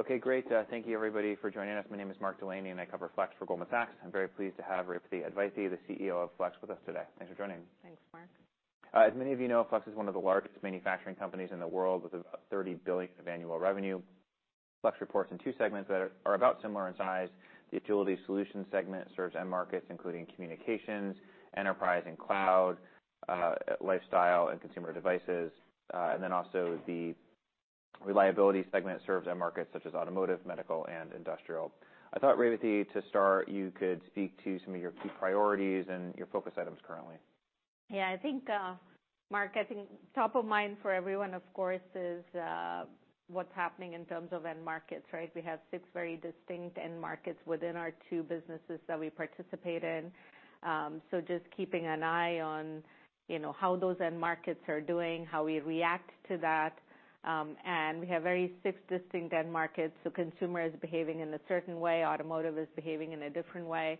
Okay, great. Thank you, everybody, for joining us. My name is Mark Delaney, and I cover Flex for Goldman Sachs. I'm very pleased to have Revathi Advaithi, the CEO of Flex, with us today. Thanks for joining me. Thanks, Mark. As many of you know, Flex is one of the largest manufacturing companies in the world, with about $30 billion of annual revenue. Flex reports in two segments that are, are about similar in size. The Agility Solutions segment serves end markets, including communications, enterprise and cloud, lifestyle and consumer devices. And then also the Reliability Solutions segment serves end markets such as automotive, medical, and industrial. I thought, Revathi, to start, you could speak to some of your key priorities and your focus items currently. Yeah, I think, Mark, I think top of mind for everyone, of course, is what's happening in terms of end markets, right? We have six very distinct end markets within our two businesses that we participate in. So just keeping an eye on, you know, how those end markets are doing, how we react to that. And we have very six distinct end markets. So consumer is behaving in a certain way, automotive is behaving in a different way.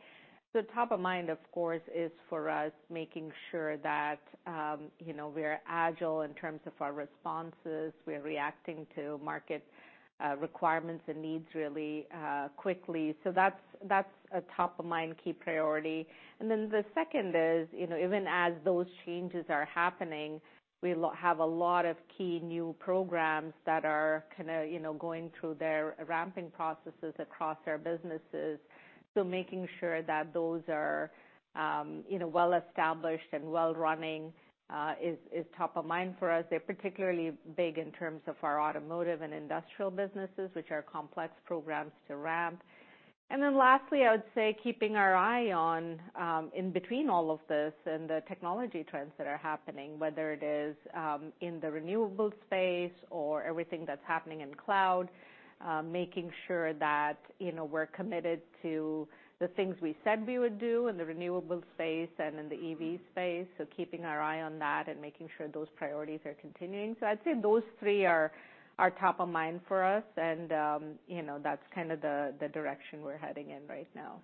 So top of mind, of course, is for us, making sure that, you know, we are agile in terms of our responses. We are reacting to market requirements and needs really quickly. So that's, that's a top-of-mind, key priority. And then the second is, you know, even as those changes are happening, we have a lot of key new programs that are kinda, you know, going through their ramping processes across our businesses. So making sure that those are, you know, well-established and well running, is top of mind for us. They're particularly big in terms of our automotive and industrial businesses, which are complex programs to ramp. And then lastly, I would say keeping our eye on, in between all of this and the technology trends that are happening, whether it is, in the renewable space or everything that's happening in cloud. Making sure that, you know, we're committed to the things we said we would do in the renewable space and in the EV space, so keeping our eye on that and making sure those priorities are continuing. I'd say those three are top of mind for us, and you know, that's kind of the direction we're heading in right now.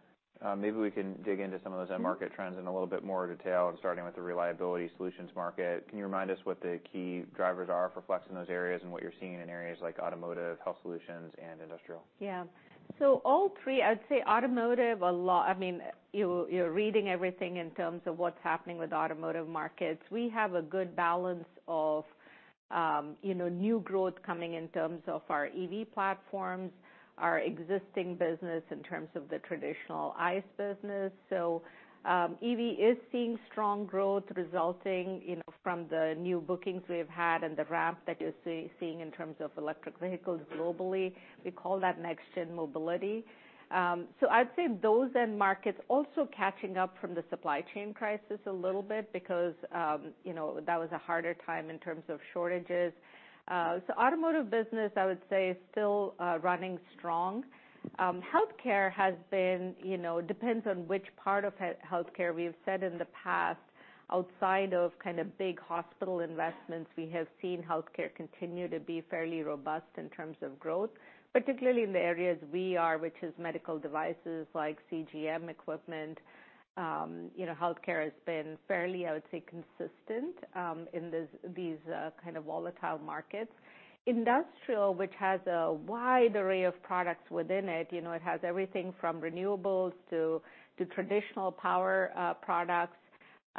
Maybe we can dig into some of those- Mm-hmm. - end market trends in a little bit more detail, starting with the Reliability Solutions market. Can you remind us what the key drivers are for Flex in those areas, and what you're seeing in areas like automotive, health solutions, and industrial? Yeah. So all three, I'd say automotive, a lot. I mean, you, you're reading everything in terms of what's happening with automotive markets. We have a good balance of, you know, new growth coming in terms of our EV platforms, our existing business in terms of the traditional ICE business. So, EV is seeing strong growth, resulting, you know, from the new bookings we've had and the ramp that you're seeing in terms of electric vehicles globally. We call that Next Gen Mobility. So I'd say those end markets also catching up from the supply chain crisis a little bit because, you know, that was a harder time in terms of shortages. So automotive business, I would say, is still running strong. Healthcare has been, you know, depends on which part of healthcare. We've said in the past, outside of kind of big hospital investments, we have seen healthcare continue to be fairly robust in terms of growth, particularly in the areas we are, which is medical devices like CGM equipment. You know, healthcare has been fairly, I would say, consistent in these kind of volatile markets. Industrial, which has a wide array of products within it, you know, it has everything from renewables to traditional power products.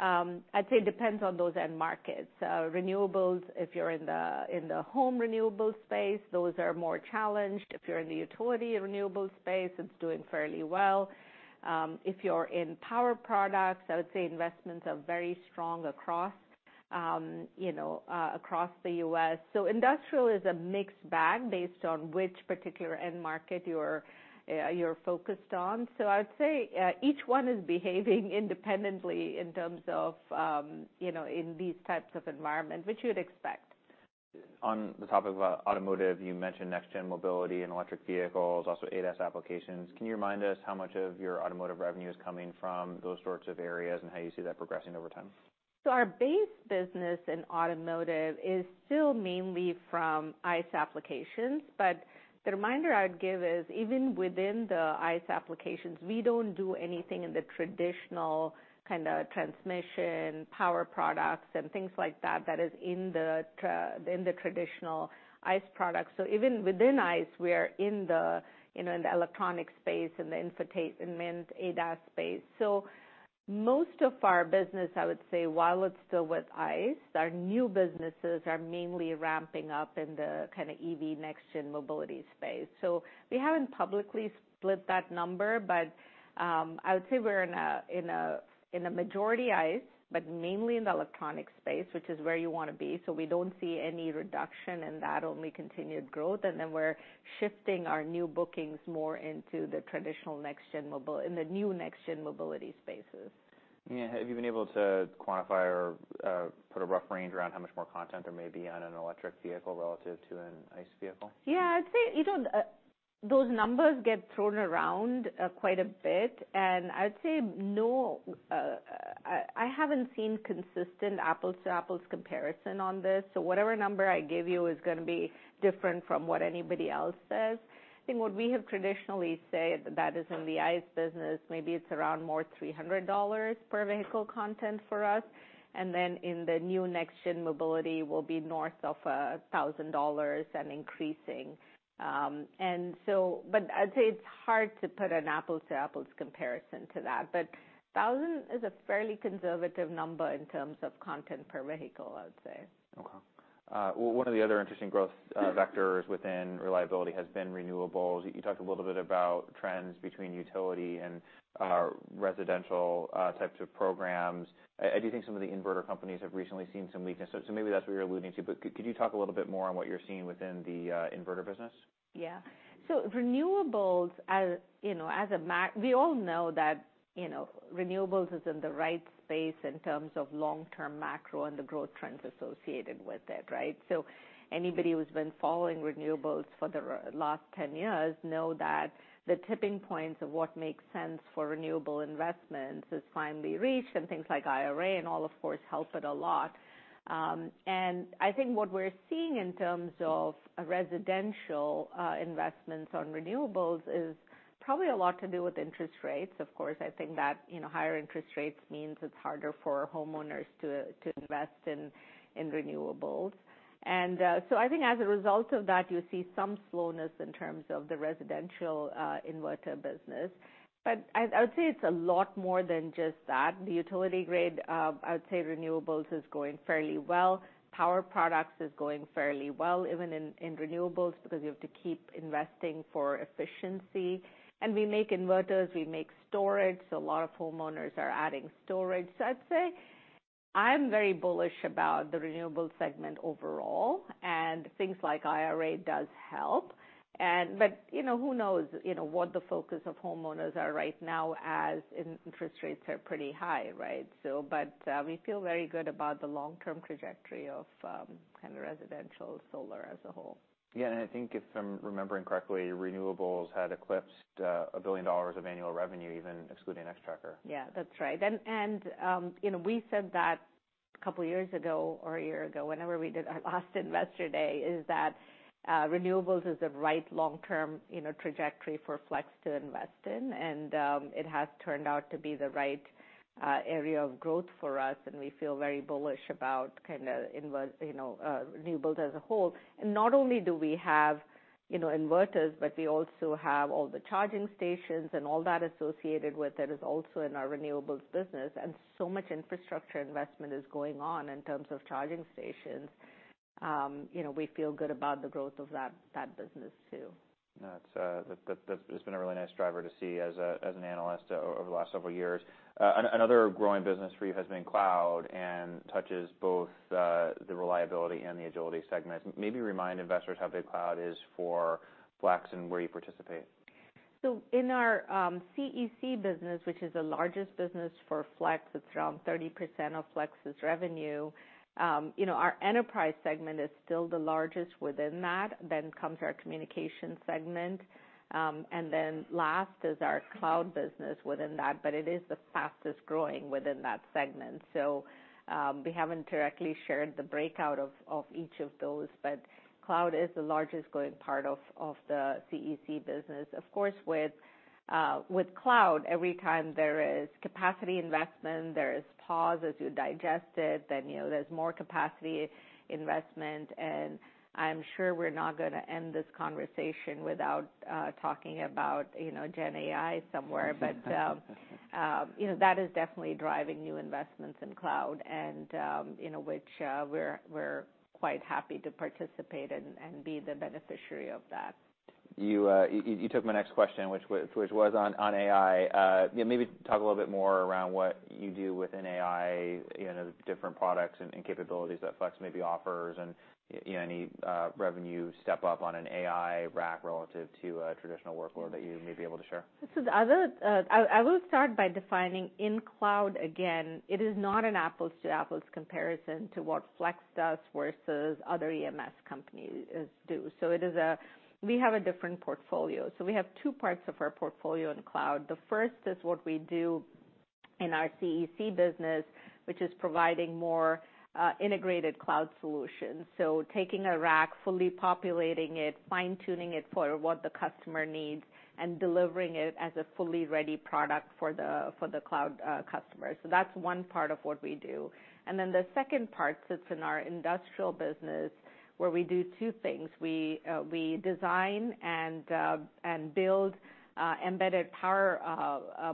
I'd say it depends on those end markets. Renewables, if you're in the home renewables space, those are more challenged. If you're in the utility renewables space, it's doing fairly well. If you're in power products, I would say investments are very strong across the U.S. So industrial is a mixed bag based on which particular end market you're focused on. So I'd say, each one is behaving independently in terms of, you know, in these types of environment, which you'd expect. On the topic of automotive, you mentioned Next Gen Mobility and electric vehicles, also ADAS applications. Can you remind us how much of your automotive revenue is coming from those sorts of areas, and how you see that progressing over time? So our base business in automotive is still mainly from ICE applications. But the reminder I'd give is, even within the ICE applications, we don't do anything in the traditional kinda transmission, power products, and things like that, that is in the traditional ICE products. So even within ICE, we are in an electronic space, in the infotainment ADAS space. So most of our business, I would say, while it's still with ICE, our new businesses are mainly ramping up in the kinda EV Next Gen Mobility space. So we haven't publicly split that number, but I would say we're in a majority ICE, but mainly in the electronic space, which is where you wanna be. We don't see any reduction in that, only continued growth, and then we're shifting our new bookings more into the traditional Next Gen Mobility, in the new Next Gen Mobility spaces. Yeah. Have you been able to quantify or put a rough range around how much more content there may be on an electric vehicle relative to an ICE vehicle? Yeah, I'd say, you know, those numbers get thrown around quite a bit, and I'd say I haven't seen consistent apples to apples comparison on this, so whatever number I give you is gonna be different from what anybody else says. I think what we have traditionally said, that is in the ICE business, maybe it's around more $300 per vehicle content for us. And then in the new Next Gen Mobility will be north of a $1,000 and increasing. But I'd say it's hard to put an apples to apples comparison to that. But $1,000 is a fairly conservative number in terms of content per vehicle, I'd say. Okay. One of the other interesting growth vectors within Reliability has been renewables. You talked a little bit about trends between utility and residential types of programs. I do think some of the inverter companies have recently seen some weakness, so maybe that's what you're alluding to. But could you talk a little bit more on what you're seeing within the inverter business? Yeah. So renewables, as you know, we all know that, you know, renewables is in the right space in terms of long-term macro and the growth trends associated with it, right? So anybody who's been following renewables for the last 10 years know that the tipping points of what makes sense for renewable investments is finally reached, and things like IRA and all, of course, help it a lot. And I think what we're seeing in terms of residential investments on renewables is probably a lot to do with interest rates. Of course, I think that, you know, higher interest rates means it's harder for homeowners to invest in renewables. And so I think as a result of that, you see some slowness in terms of the residential inverter business. But I would say it's a lot more than just that. The utility grade, I would say renewables is going fairly well. Power products is going fairly well, even in renewables, because you have to keep investing for efficiency. And we make inverters, we make storage, so a lot of homeowners are adding storage. So I'd say I'm very bullish about the renewables segment overall, and things like IRA does help. But, you know, who knows, you know, what the focus of homeowners are right now, as interest rates are pretty high, right? So, we feel very good about the long-term trajectory of kind of residential solar as a whole. Yeah, and I think, if I'm remembering correctly, renewables had eclipsed $1 billion of annual revenue, even excluding Nextracker. Yeah, that's right. And you know, we said that a couple of years ago or a year ago, whenever we did our last Investor Day, is that renewables is the right long-term, you know, trajectory for Flex to invest in. And it has turned out to be the right area of growth for us, and we feel very bullish about kinda renewables as a whole. And not only do we have, you know, inverters, but we also have all the charging stations and all that associated with it, is also in our renewables business. And so much infrastructure investment is going on in terms of charging stations. You know, we feel good about the growth of that business, too. That's. That has been a really nice driver to see as an analyst over the last several years. Another growing business for you has been cloud, and touches both the Reliability and the agility segment. Maybe remind investors how big cloud is for Flex and where you participate. So in our CEC business, which is the largest business for Flex, it's around 30% of Flex's revenue. You know, our enterprise segment is still the largest within that, then comes our communication segment, and then last is our cloud business within that, but it is the fastest growing within that segment. So we haven't directly shared the breakout of each of those, but cloud is the largest growing part of the CEC business. Of course, with cloud, every time there is capacity investment, there is pause as you digest it, then, you know, there's more capacity investment. And I'm sure we're not gonna end this conversation without talking about, you know, GenAI somewhere. You know, that is definitely driving new investments in cloud, and, you know, which we're quite happy to participate and be the beneficiary of that. You took my next question, which was on AI. Yeah, maybe talk a little bit more around what you do within AI, you know, the different products and capabilities that Flex maybe offers, and, you know, any revenue step up on an AI rack relative to a traditional workload that you may be able to share. I will start by defining in cloud again. It is not an apples to apples comparison to what Flex does versus other EMS companies do. So it is a different portfolio. So we have two parts of our portfolio in cloud. The first is what we do in our CEC business, which is providing more integrated cloud solutions. So taking a rack, fully populating it, fine-tuning it for what the customer needs, and delivering it as a fully ready product for the cloud customer. So that's one part of what we do. And then the second part sits in our industrial business, where we do two things. We design and build embedded power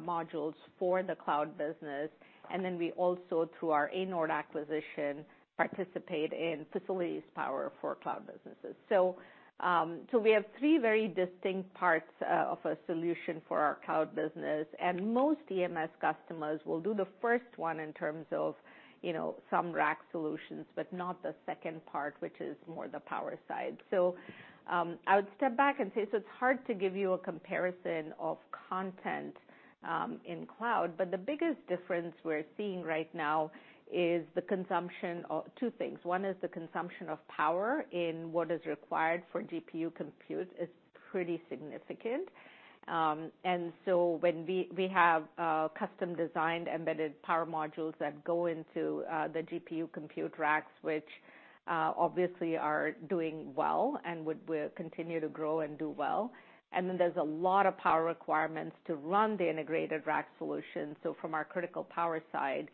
modules for the cloud business. And then we also, through our Anord acquisition, participate in facilities power for cloud businesses. So we have three very distinct parts of a solution for our cloud business. And most EMS customers will do the first one in terms of, you know, some rack solutions, but not the second part, which is more the power side. So I would step back and say, so it's hard to give you a comparison of content in cloud, but the biggest difference we're seeing right now is the consumption of two things. One is the consumption of power in what is required for GPU compute is pretty significant. And so when we have custom designed embedded power modules that go into the GPU compute racks, which obviously are doing well and will continue to grow and do well. There's a lot of power requirements to run the integrated rack solution. From our critical power side,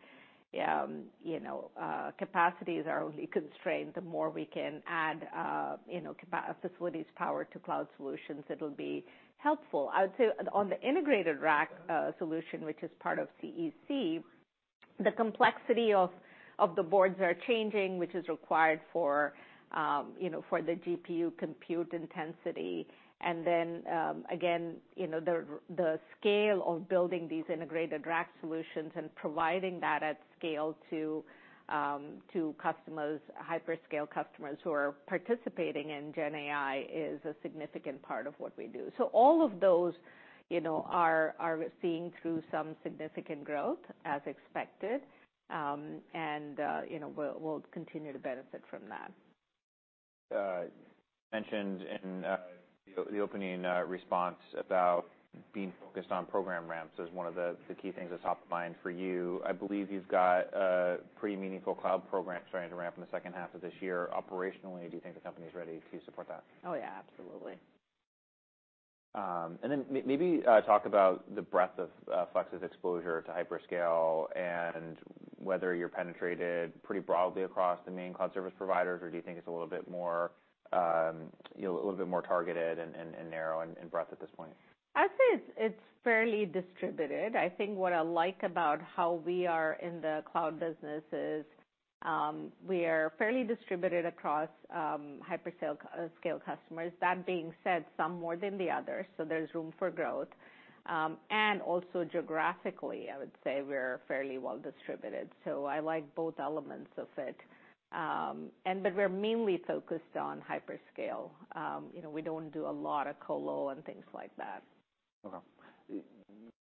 you know, capacities are only constrained. The more we can add, you know, facilities power to cloud solutions, it'll be helpful. I would say on the integrated rack solution, which is part of CEC, the complexity of the boards are changing, which is required for, you know, for the GPU compute intensity. Again, you know, the scale of building these integrated rack solutions and providing that at scale to customers, hyperscale customers who are participating in Gen AI, is a significant part of what we do. All of those, you know, are seeing through some significant growth, as expected, and, you know, we'll continue to benefit from that. Mentioned in the opening response about being focused on program ramps as one of the key things that's top of mind for you. I believe you've got a pretty meaningful cloud program starting to ramp in the second half of this year. Operationally, do you think the company is ready to support that? Oh, yeah, absolutely. And then maybe talk about the breadth of Flex's exposure to hyperscale, and whether you're penetrated pretty broadly across the main cloud service providers, or do you think it's a little bit more, you know, a little bit more targeted and narrow in breadth at this point? I'd say it's fairly distributed. I think what I like about how we are in the cloud business is we are fairly distributed across hyperscale customers. That being said, some more than the others, so there's room for growth. And also geographically, I would say we're fairly well distributed, so I like both elements of it. But we're mainly focused on hyperscale. You know, we don't do a lot of colo and things like that. Okay.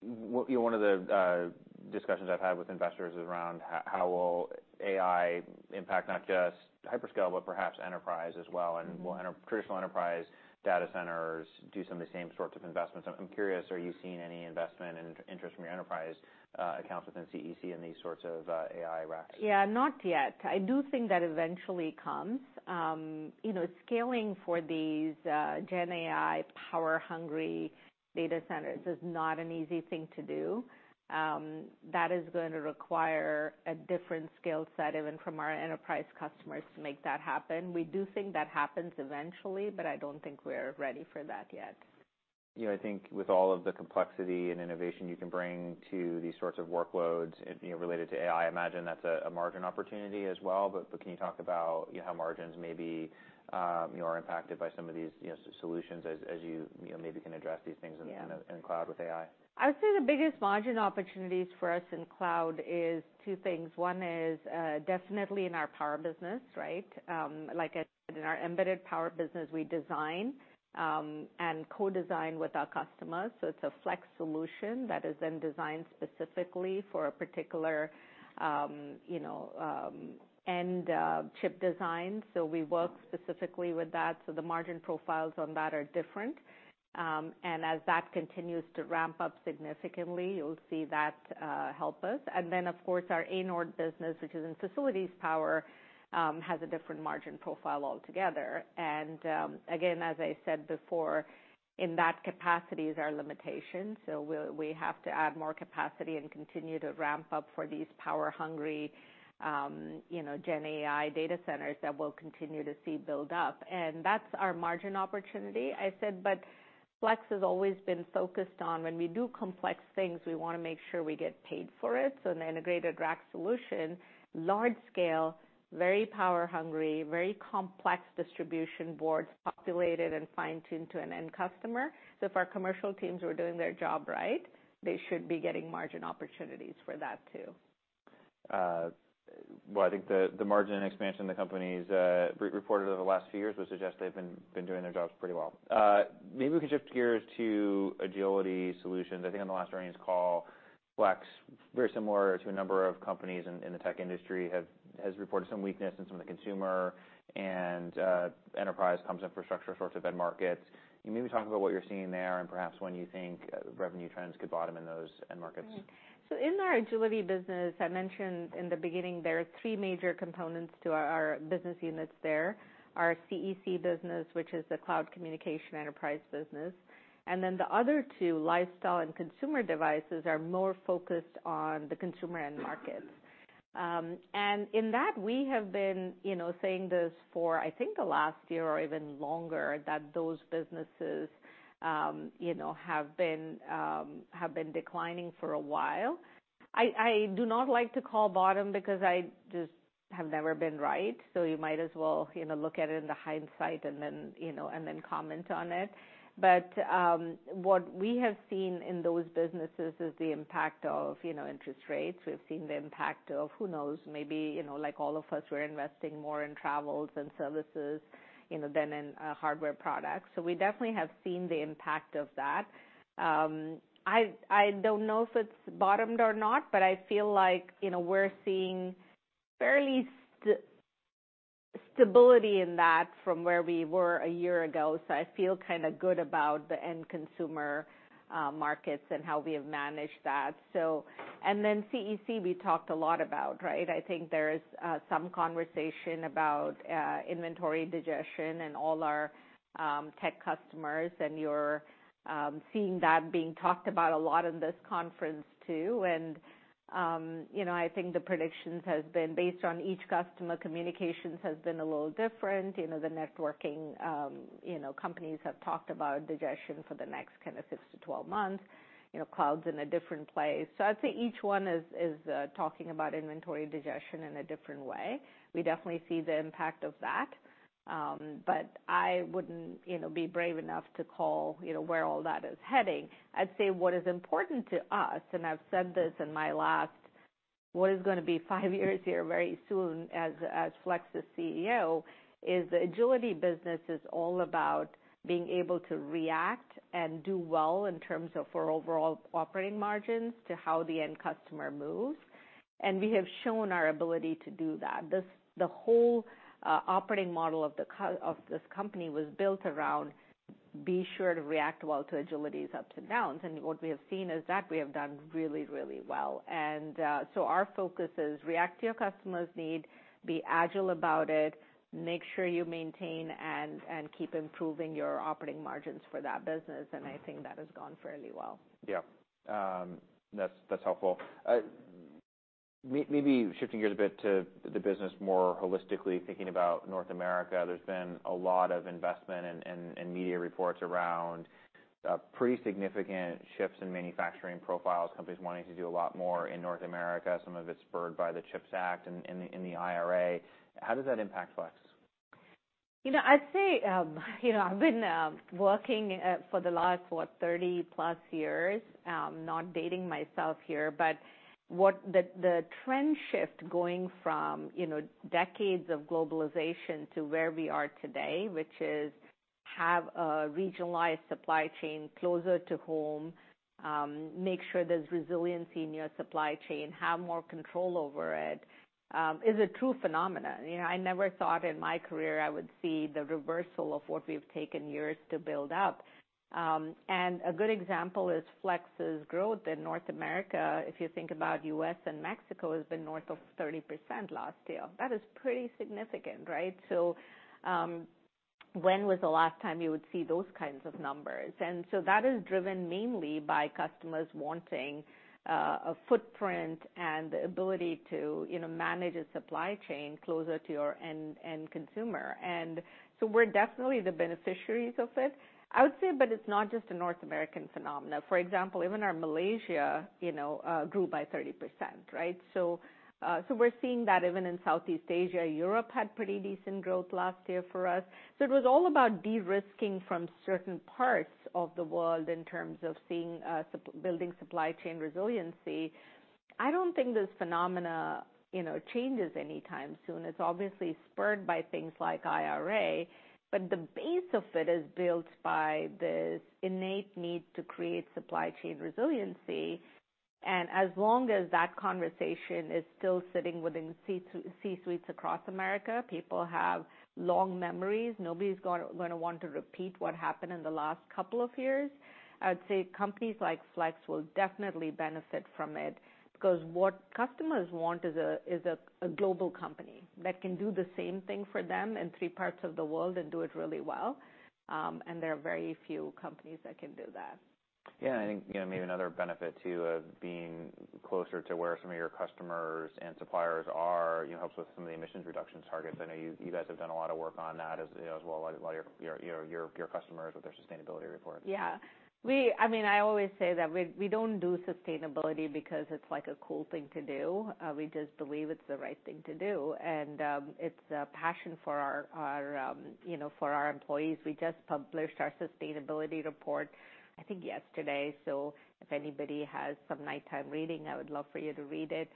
One of the discussions I've had with investors is around how will AI impact not just hyperscale, but perhaps enterprise as well, and will traditional enterprise data centers do some of the same sorts of investments? I'm curious, are you seeing any investment and interest from your enterprise accounts within CEC in these sorts of AI racks? Yeah, not yet. I do think that eventually comes. You know, scaling for these GenAI power-hungry data centers is not an easy thing to do. That is going to require a different skill set, even from our enterprise customers, to make that happen. We do think that happens eventually, but I don't think we're ready for that yet. Yeah, I think with all of the complexity and innovation you can bring to these sorts of workloads, you know, related to AI, I imagine that's a margin opportunity as well. But, but can you talk about, you know, how margins may be, you know, are impacted by some of these, you know, solutions as you, you know, maybe can address these things- Yeah - in cloud with AI? I would say the biggest margin opportunities for us in cloud is two things. One is, definitely in our power business, right? Like I said, in our embedded power business, we design, and co-design with our customers. So it's a Flex solution that is then designed specifically for a particular, you know, end, chip design. So we work specifically with that. So the margin profiles on that are different. And as that continues to ramp up significantly, you'll see that, help us. And then, of course, our Anord business, which is in facilities power, has a different margin profile altogether. And, again, as I said before, in that capacity is our limitation, so we'll have to add more capacity and continue to ramp up for these power-hungry, you know, GenAI data centers that we'll continue to see build up. And that's our margin opportunity, I said, but Flex has always been focused on when we do complex things, we want to make sure we get paid for it. So an integrated rack solution, large scale, very power hungry, very complex distribution boards populated and fine-tuned to an end customer. So if our commercial teams were doing their job right, they should be getting margin opportunities for that too. Well, I think the margin and expansion the company's reported over the last few years would suggest they've been doing their jobs pretty well. Maybe we could shift gears to Agility Solutions. I think on the last earnings call, Flex, very similar to a number of companies in the tech industry, has reported some weakness in some of the consumer and enterprise comps, infrastructure, sorts of end markets. Can you maybe talk about what you're seeing there and perhaps when you think revenue trends could bottom in those end markets? So in our Agility business, I mentioned in the beginning, there are three major components to our business units there. Our CEC business, which is the cloud communication enterprise business, and then the other two, Lifestyle and Consumer Devices, are more focused on the consumer end markets. And in that, we have been, you know, saying this for I think the last year or even longer, that those businesses, you know, have been declining for a while. I, I do not like to call bottom because I just have never been right. So you might as well, you know, look at it in the hindsight and then, you know, and then comment on it. But what we have seen in those businesses is the impact of, you know, interest rates. We've seen the impact of, who knows, maybe, you know, like all of us, we're investing more in travels and services, you know, than in, hardware products. So we definitely have seen the impact of that. I don't know if it's bottomed or not, but I feel like, you know, we're seeing fairly stability in that from where we were a year ago. So I feel kind of good about the end consumer markets and how we have managed that. So, and then CEC, we talked a lot about, right? I think there is some conversation about inventory digestion and all our tech customers, and you're seeing that being talked about a lot in this conference, too. And, you know, I think the predictions has been based on each customer. Communications has been a little different. You know, the networking, you know, companies have talked about digestion for the next kind of six to 12months. You know, cloud's in a different place. So I'd say each one is talking about inventory digestion in a different way. We definitely see the impact of that. But I wouldn't, you know, be brave enough to call, you know, where all that is heading. I'd say what is important to us, and I've said this in my last, what is gonna be five years here very soon, as Flex's CEO, is the agility business is all about being able to react and do well in terms of for overall operating margins, to how the end customer moves. And we have shown our ability to do that. The whole operating model of this company was built around: Be sure to react well to agility's ups and downs. And what we have seen is that we have done really, really well. And so our focus is react to your customer's need, be agile about it, make sure you maintain and keep improving your operating margins for that business, and I think that has gone fairly well. Yeah. That's, that's helpful. Maybe shifting gears a bit to the business, more holistically, thinking about North America. There's been a lot of investment and media reports around pretty significant shifts in manufacturing profiles, companies wanting to do a lot more in North America. Some of it's spurred by the CHIPS Act and the IRA. How does that impact Flex? You know, I'd say, you know, I've been working for the last, what, 30+ years. Not dating myself here, but what the trend shift going from, you know, decades of globalization to where we are today, which is have a regionalized supply chain closer to home, make sure there's resiliency in your supply chain, have more control over it, is a true phenomenon. You know, I never thought in my career I would see the reversal of what we've taken years to build up. A good example is Flex's growth in North America. If you think about U.S. and Mexico, has been north of 30% last year. That is pretty significant, right? So, when was the last time you would see those kinds of numbers? That is driven mainly by customers wanting a footprint and the ability to, you know, manage a supply chain closer to your end-end consumer. And so we're definitely the beneficiaries of it. I would say, but it's not just a North American phenomenon. For example, even our Malaysia, you know, grew by 30%, right? So, so we're seeing that even in Southeast Asia. Europe had pretty decent growth last year for us. So it was all about de-risking from certain parts of the world in terms of seeing building supply chain resiliency. I don't think this phenomenon, you know, changes anytime soon. It's obviously spurred by things like IRA, but the base of it is built by this innate need to create supply chain resiliency. As long as that conversation is still sitting within C-suites across America, people have long memories. Nobody's gonna want to repeat what happened in the last couple of years. I'd say companies like Flex will definitely benefit from it, because what customers want is a global company that can do the same thing for them in three parts of the world and do it really well. There are very few companies that can do that. Yeah, I think, you know, maybe another benefit, too, of being closer to where some of your customers and suppliers are, you know, helps with some of the emissions reduction targets. I know you guys have done a lot of work on that as, you know, as well, a lot of your customers with their sustainability reports. Yeah. I mean, I always say that we don't do sustainability because it's like a cool thing to do. We just believe it's the right thing to do, and it's a passion for our you know for our employees. We just published our sustainability report, I think yesterday, so if anybody has some nighttime reading, I would love for you to read it.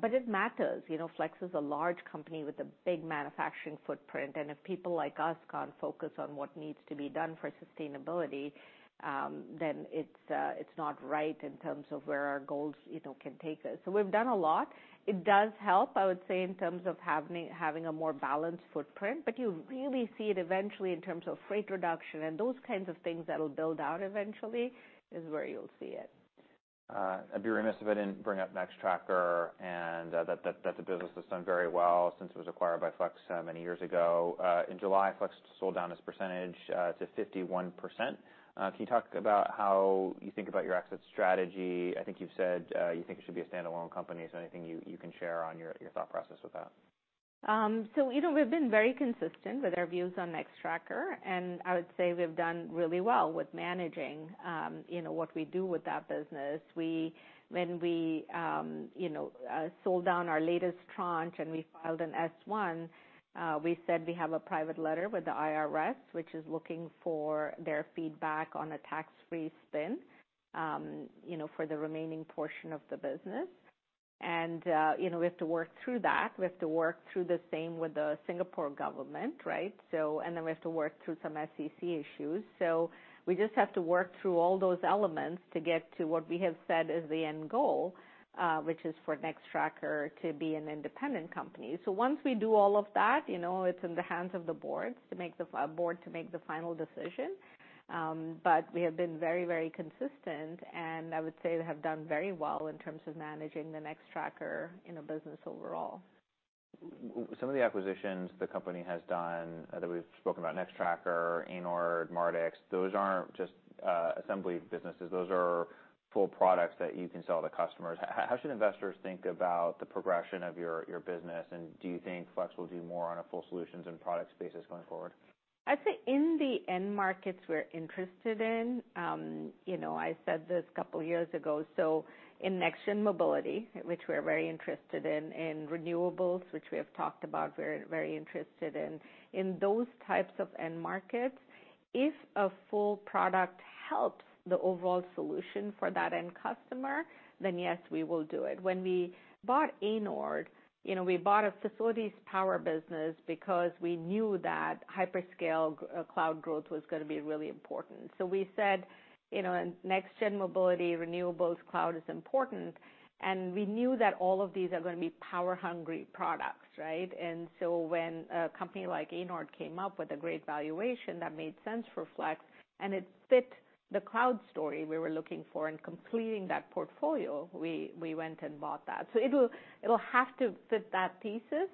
But it matters. You know, Flex is a large company with a big manufacturing footprint, and if people like us can't focus on what needs to be done for sustainability, then it's not right in terms of where our goals you know can take us. So we've done a lot. It does help, I would say, in terms of having a more balanced footprint, but you really see it eventually in terms of freight reduction and those kinds of things that'll build out eventually, is where you'll see it. I'd be remiss if I didn't bring up Nextracker, and that the business has done very well since it was acquired by Flex many years ago. In July, Flex sold down its percentage to 51%. Can you talk about how you think about your exit strategy? I think you've said you think it should be a standalone company. So anything you can share on your thought process with that? So, you know, we've been very consistent with our views on Nextracker, and I would say we've done really well with managing, you know, what we do with that business. When we, you know, sold down our latest tranche and we filed an S-1, we said we have a private letter with the IRS, which is looking for their feedback on a tax-free spin, you know, for the remaining portion of the business. And, you know, we have to work through that. We have to work through the same with the Singapore government, right? So, and then we have to work through some SEC issues. So we just have to work through all those elements to get to what we have said is the end goal, which is for Nextracker to be an independent company. So once we do all of that, you know, it's in the hands of the boards to make the board to make the final decision. But we have been very, very consistent, and I would say we have done very well in terms of managing the Nextracker, you know, business overall. Some of the acquisitions the company has done, that we've spoken about, Nextracker, Anord Mardix, those aren't just assembly businesses, those are full products that you can sell to customers. How should investors think about the progression of your business? And do you think Flex will do more on a full solutions and product basis going forward? I'd say in the end markets we're interested in, you know, I said this a couple years ago, so in Next Gen Mobility, which we're very interested in, in renewables, which we have talked about, we're very interested in. In those types of end markets, if a full product helps the overall solution for that end customer, then yes, we will do it. When we bought Anord, you know, we bought a facilities power business because we knew that hyperscale cloud growth was gonna be really important. So we said, you know, in Next-Gen Mobility, renewables, cloud is important, and we knew that all of these are gonna be power-hungry products, right? So when a company like Anord came up with a great valuation, that made sense for Flex, and it fit the cloud story we were looking for in completing that portfolio, we went and bought that. So it'll have to fit that thesis.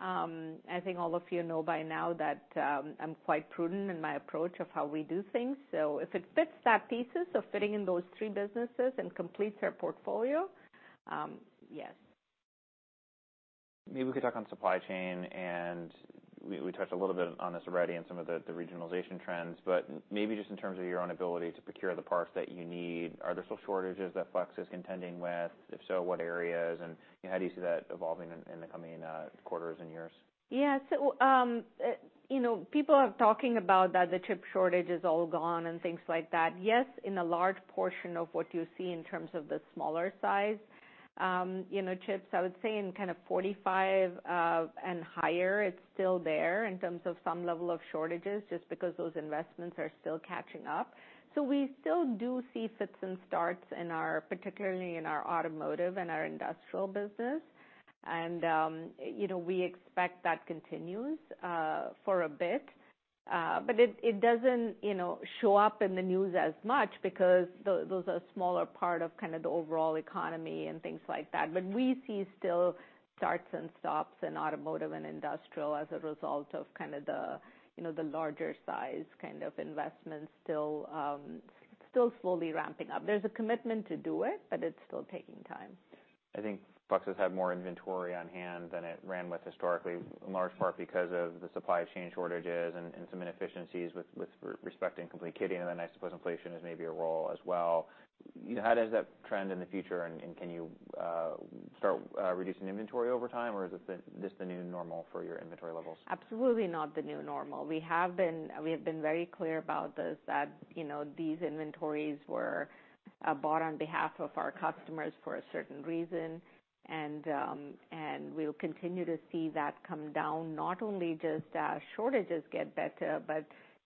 I think all of you know by now that I'm quite prudent in my approach of how we do things. So if it fits that thesis of fitting in those three businesses and completes our portfolio, yes. Maybe we could talk on supply chain, and we touched a little bit on this already in some of the regionalization trends. But maybe just in terms of your own ability to procure the parts that you need, are there still shortages that Flex is contending with? If so, what areas, and how do you see that evolving in the coming quarters and years? Yeah. So, you know, people are talking about that the chip shortage is all gone and things like that. Yes, in a large portion of what you see in terms of the smaller size, you know, chips, I would say in kind of 45 and higher, it's still there in terms of some level of shortages, just because those investments are still catching up. So we still do see fits and starts in our—particularly in our automotive and our industrial business. And, you know, we expect that continues, for a bit. But it, it doesn't, you know, show up in the news as much because those are a smaller part of kind of the overall economy and things like that. We see still starts and stops in automotive and industrial as a result of kind of the, you know, the larger size kind of investments still still slowly ramping up. There's a commitment to do it, but it's still taking time. I think Flex has had more inventory on hand than it ran with historically, in large part because of the supply chain shortages and some inefficiencies with respecting complete kitting, and then I suppose inflation is maybe a role as well. How does that trend in the future, and can you start reducing inventory over time, or is this the new normal for your inventory levels? Absolutely not the new normal. We have been very clear about this, that, you know, these inventories were bought on behalf of our customers for a certain reason. And we'll continue to see that come down, not only just as shortages get better, but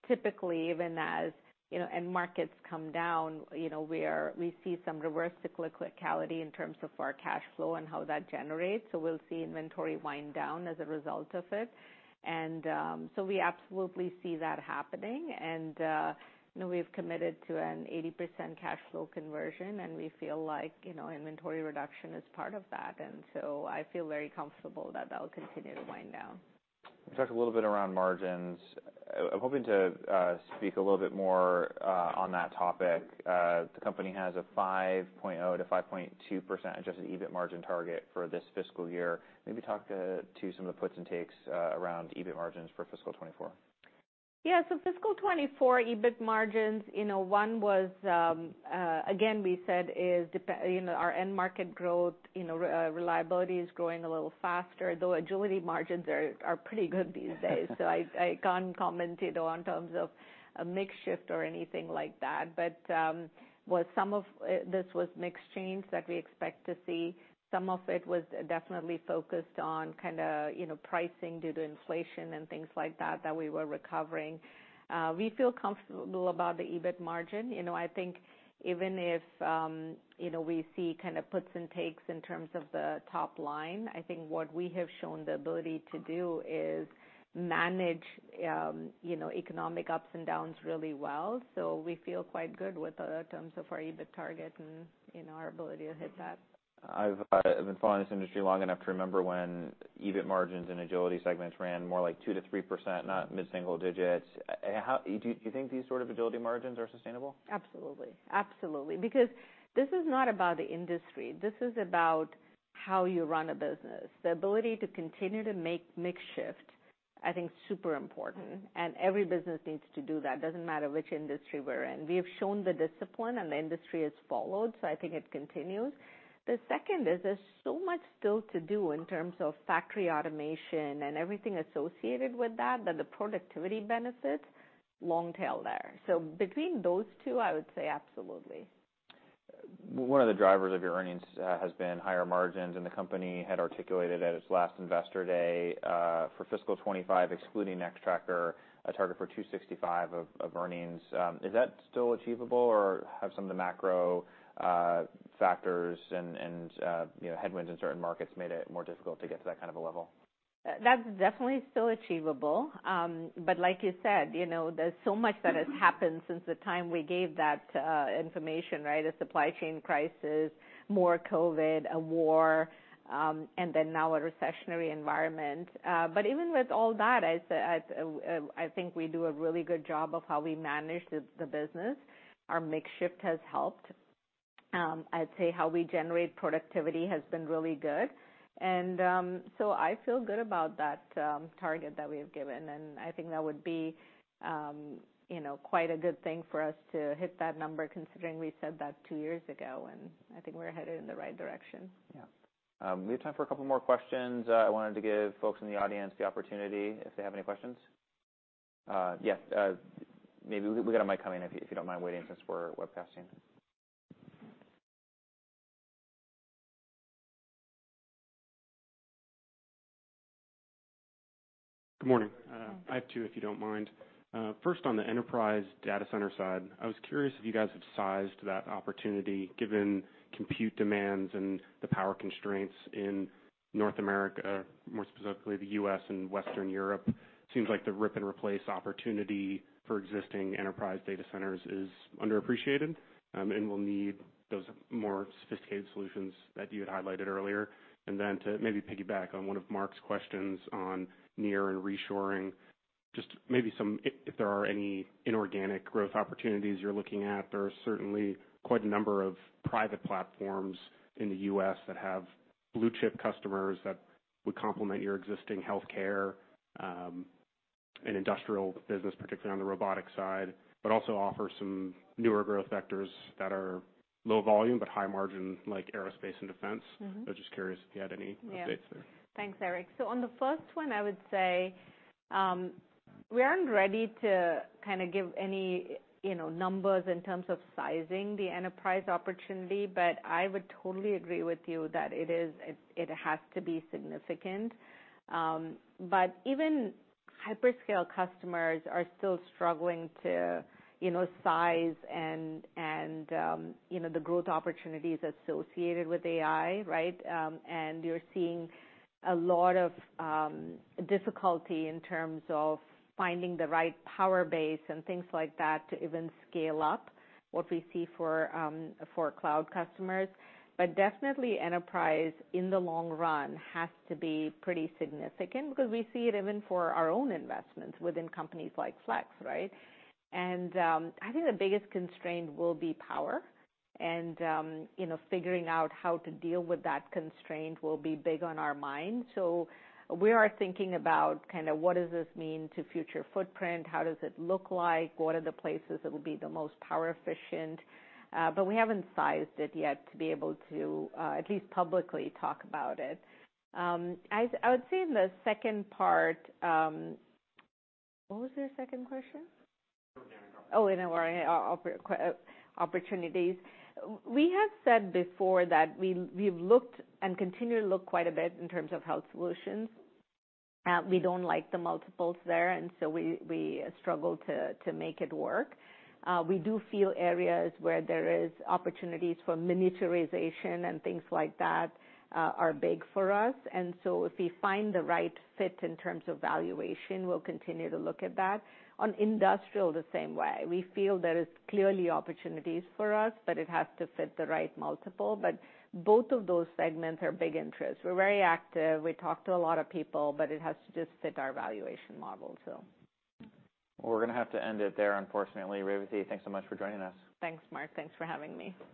typically even as, you know, end markets come down, you know, we see some reverse cyclicality in terms of our cash flow and how that generates. So we'll see inventory wind down as a result of it. And so we absolutely see that happening. And you know, we've committed to an 80% cash flow conversion, and we feel like, you know, inventory reduction is part of that. And so I feel very comfortable that that will continue to wind down. Talk a little bit around margins. I'm hoping to speak a little bit more on that topic. The company has a 5.0% - 5.2% adjusted EBIT margin target for this fiscal year. Maybe talk to some of the puts and takes around EBIT margins for fiscal 2024. Yeah, so fiscal 2024 EBIT margins, you know, one was, again, we said is dependent on, you know, our end market growth, you know, Reliability is growing a little faster, though Agility margins are pretty good these days. So I can't comment, you know, in terms of a mix shift or anything like that. But, well, some of this was mix change that we expect to see. Some of it was definitely focused on kinda, you know, pricing due to inflation and things like that, that we were recovering. We feel comfortable about the EBIT margin. You know, I think even if, you know, we see kind of puts and takes in terms of the top line, I think what we have shown the ability to do is manage, you know, economic ups and downs really well. We feel quite good with the terms of our EBIT target and, you know, our ability to hit that. I've been following this industry long enough to remember when EBIT margins and Agility segments ran more like 2% - 3%, not mid-single digits. How do you think these sort of Agility margins are sustainable? Absolutely. Absolutely. Because this is not about the industry, this is about how you run a business. The ability to continue to make mix shift, I think, is super important, and every business needs to do that. Doesn't matter which industry we're in. We have shown the discipline, and the industry has followed, so I think it continues. The second is, there's so much still to do in terms of factory automation and everything associated with that, that the productivity benefits... long tail there. So between those two, I would say absolutely. One of the drivers of your earnings has been higher margins, and the company had articulated at its last Investor Day for fiscal 2025, excluding Nextracker, a target for $265 of earnings. Is that still achievable, or have some of the macro factors and you know, headwinds in certain markets made it more difficult to get to that kind of a level? That's definitely still achievable. But like you said, you know, there's so much that has happened since the time we gave that information, right? A supply chain crisis, more COVID, a war, and then now a recessionary environment. But even with all that, I think we do a really good job of how we manage the business. Our mix shift has helped. I'd say how we generate productivity has been really good. And so I feel good about that target that we have given, and I think that would be, you know, quite a good thing for us to hit that number, considering we said that two years ago, and I think we're headed in the right direction. Yeah. We have time for a couple more questions. I wanted to give folks in the audience the opportunity if they have any questions. Yes, maybe we've got a mic coming, if you don't mind waiting since we're webcasting. Good morning. Good morning. I have two, if you don't mind. First, on the enterprise data center side, I was curious if you guys have sized that opportunity, given compute demands and the power constraints in North America, more specifically, the U.S. and Western Europe. Seems like the rip-and-replace opportunity for existing enterprise data centers is underappreciated, and will need those more sophisticated solutions that you had highlighted earlier. And then to maybe piggyback on one of Mark's questions on near and reshoring, just maybe if there are any inorganic growth opportunities you're looking at, there are certainly quite a number of private platforms in the U.S. that have blue-chip customers that would complement your existing healthcare, and industrial business, particularly on the robotic side, but also offer some newer growth vectors that are low volume, but high margin, like aerospace and defense. Mm-hmm. I was just curious if you had any updates there. Yeah. Thanks, Eric. So on the first one, I would say, we aren't ready to kind of give any, you know, numbers in terms of sizing the enterprise opportunity, but I would totally agree with you that it is—it, it has to be significant. But even hyperscale customers are still struggling to, you know, size and, and, you know, the growth opportunities associated with AI, right? And you're seeing a lot of, difficulty in terms of finding the right power base and things like that to even scale up what we see for, for cloud customers. But definitely enterprise, in the long run, has to be pretty significant because we see it even for our own investments within companies like Flex, right? I think the biggest constraint will be power, and, you know, figuring out how to deal with that constraint will be big on our mind. So we are thinking about kind of what does this mean to future footprint? How does it look like? What are the places that will be the most power efficient? But we haven't sized it yet to be able to, at least publicly talk about it. I would say in the second part... What was the second question? Inorganic growth. Oh, inorganic opportunities. We have said before that we, we've looked and continue to look quite a bit in terms of health solutions. We don't like the multiples there, and so we struggle to make it work. We do feel areas where there is opportunities for miniaturization and things like that are big for us. And so if we find the right fit in terms of valuation, we'll continue to look at that. On industrial, the same way. We feel there is clearly opportunities for us, but it has to fit the right multiple. But both of those segments are big interests. We're very active. We talk to a lot of people, but it has to just fit our valuation model, so. Well, we're gonna have to end it there, unfortunately. Revathi, thanks so much for joining us. Thanks, Mark. Thanks for having me.